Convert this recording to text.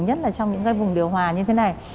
nhất là trong những vùng điều hòa như thế này